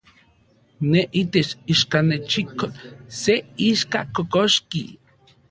Ne, itech ichkanechikol, se ixka kokoxki.